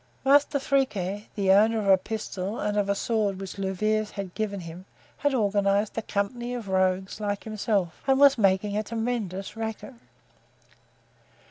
Master Friquet, the owner of a pistol and of a sword which Louvieres had given him, had organized a company of rogues like himself and was making a tremendous racket.